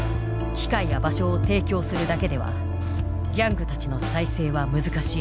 機会や場所を提供するだけではギャングたちの再生は難しい。